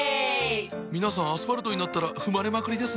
皆さんアスファルトになったら踏まれまくりですねぇ。